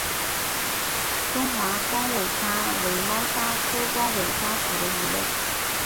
中华光尾鲨为猫鲨科光尾鲨属的鱼类。